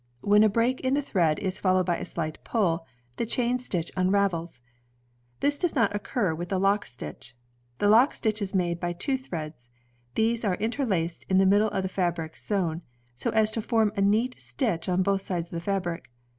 When a break in the thread is followed by a slight pull, the chain stitch imravels. This does not CHAIN STITCH LOCK STITCH occur with the lock stitch. The lock stitch is made by two threads. These are interlaced in the middle of the fabric sewn, so as to form a neat stitch on both sides of the fabric.